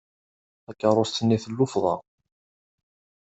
Takerrust-nni tellufḍa.